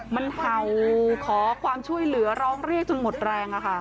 มันเห่าขอความช่วยเหลือร้องเรียกจนหมดแรง